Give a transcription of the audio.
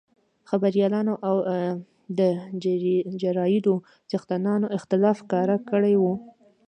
خبریالانو او د جرایدو څښتنانو اختلاف ښکاره کړی وو.